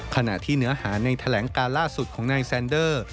ขณะที่เนื้อหาในแถลงการล่าสุดของนายแซนเดอร์